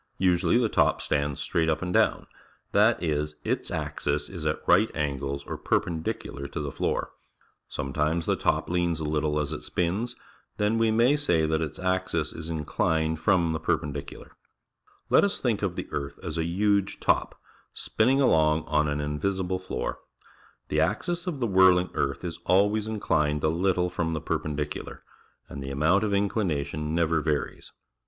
Usually the top stands straight up and down; that is, its axis is at r i g h t angles, or per pendicular, to the fl o o r . Sometimesthe top leans a little as it spins ; then we may say that The Sun's Rays reaching 23 '2° beyond the Noith Pole on June 21st its axis is inchned from the perpendicular, j '" Let us think of the earth as a huge top, spinning along on an invisible floor. The axis o f the whirling earth is always incl ijied a lit tle frorn the pprppridiciilar, and the amount of inclina tion never varies.